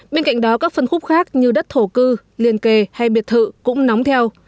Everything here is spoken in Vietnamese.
bên cạnh đó các phân khúc khác như đất thổ cư liền kề hay biệt thự cũng nóng theo